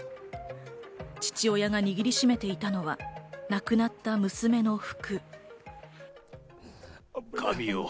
父親が握り締めていたのは亡くなった娘の服。